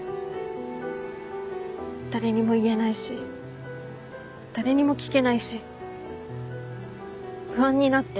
誰にも言えないし誰にも聞けないし不安になって。